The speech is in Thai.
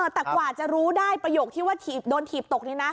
แต่กว่าจะรู้ได้ประโยคที่ว่าโดนถีบตกนี้นะ